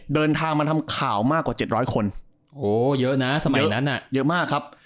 เดินทางมาทำข่าวมากกว่า๗๐๐คนเยอะมากครับ